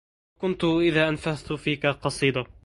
وكنت إذا أنفذت فيك قصيدة